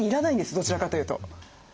どちらかというと。